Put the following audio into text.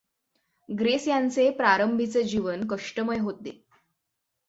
Grace यांचे प्रारंभीचे जीवन कष्टमय होते.